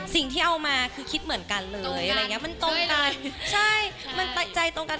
สิ่งที่เอามาคือคิดเหมือนกันเลยมันตรงกันใช่มันใจตรงกัน